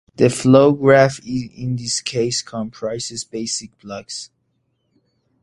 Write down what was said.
The flow graph in this case comprises basic blocks.